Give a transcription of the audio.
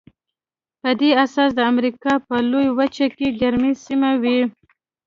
په دې اساس د امریکا په لویه وچه کې ګرمې سیمې وې.